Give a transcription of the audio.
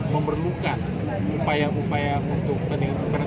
memerlukan upaya upaya untuk peningkatan